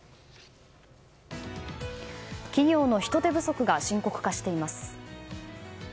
企業の人手不足が深刻化しています。